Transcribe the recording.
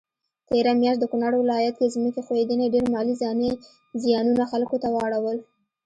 تيره مياشت د کونړ ولايت کي ځمکي ښویدني ډير مالي ځانی زيانونه خلکوته واړول